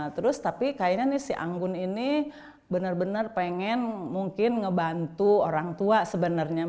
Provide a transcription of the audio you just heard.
terus tapi kayaknya nih si anggun ini benar benar pengen mungkin ngebantu orang tua sebenarnya